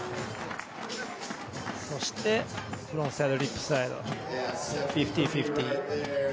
そしてフロントサイドリップサイド５０−５０。